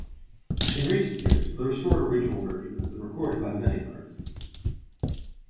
In recent years, the restored original version has been recorded by many artists.